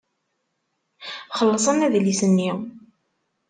Xellṣen adlis-nni.